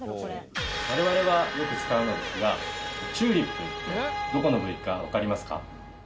我々はよく使うのですがチューリップってどこの部位かわかりますか？